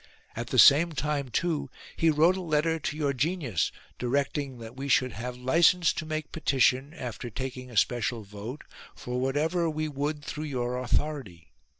At the same time too he wrote a letter to your genius directing that we should have licence to make petition, after taking a special vote, for whatever we would through your authority.